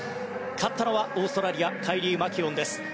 勝ったのはオーストラリアカイリー・マキュオンです。